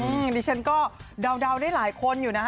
ดิฉันก็เดาได้หลายคนอยู่นะฮะ